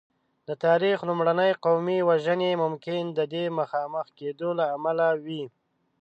د تاریخ لومړنۍ قومي وژنې ممکن د دې مخامخ کېدو له امله وې.